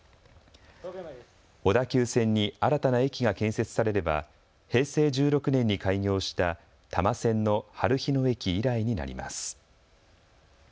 小田急線に新たな駅が建設されれば平成１６年に開業した多摩線のはるひ野駅以来になります。